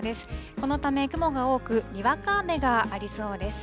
このため雲が多く、にわか雨がありそうです。